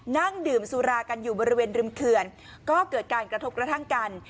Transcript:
นั่งดื่มสุรากันอยู่บริเวณริมเขื่อนก็เกิดการกระทบกระทั่งกัน